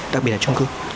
đặc biệt là chung cư